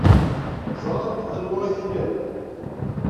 Ẓrant anwa ay t-ilan.